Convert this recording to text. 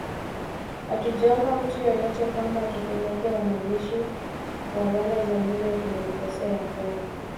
Hatujaomba mtu yeyote kwamba tupeleke wanajeshi wa Rwanda jamhuri ya kidemokrasia ya Kongo